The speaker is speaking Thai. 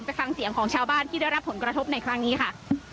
ฟังเสียงของชาวบ้านที่ได้รับผลกระทบในครั้งนี้ค่ะ